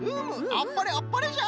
あっぱれあっぱれじゃ！